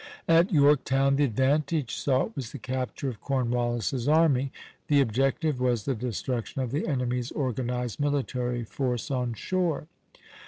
At Yorktown the advantage sought was the capture of Cornwallis's army; the objective was the destruction of the enemy's organized military force on shore.